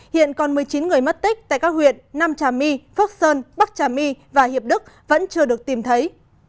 hiện còn một mươi chín người mất tích tại các huyện nam trà my phước sơn bắc trà my và hiệp đức vẫn chưa được tìm thấy